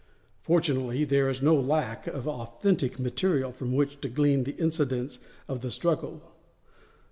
Fortunately there is no lack of authentic material from which to glean the incidents of the struggle.